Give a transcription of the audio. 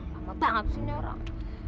lama banget sih ini orang